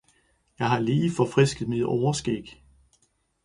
Jeg skal lige forfriske mit overskæg